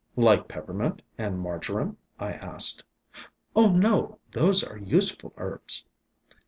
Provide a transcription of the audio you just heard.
"Like Peppermint and Marjoram?" I asked. "Oh, no; those are useful herbs."